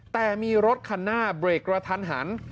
แต่มีรถคันหน้าเบรกกระทันหัน